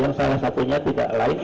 yang salah satunya tidak live